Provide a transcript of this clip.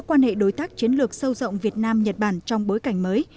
quan hệ đối tác chiến lược sâu rộng việt nam nhật bản trong bối cảnh mới